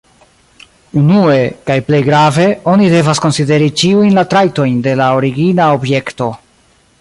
Unue, kaj plej grave, oni devas konsideri ĉiujn la trajtojn de la origina objekto.